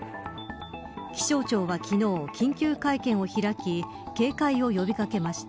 気象庁は昨日緊急会見を開き警戒を呼び掛けました。